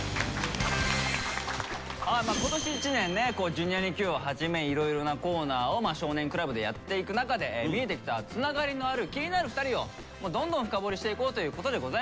今年一年ね「Ｊｒ．にＱ」をはじめいろいろなコーナーを「少年倶楽部」でやっていく中で見えてきたつながりのある気になる２人をどんどん深掘りしていこうということでございます。